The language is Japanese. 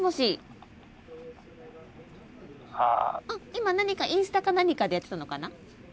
今何かインスタか何かでやってたのかな？